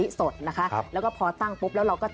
อย่างแรกเลยก็คือการทำบุญเกี่ยวกับเรื่องของพวกการเงินโชคลาภ